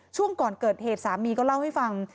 ช่วงก่อนเกิดเหตุสามีก็เล่าให้ฟัง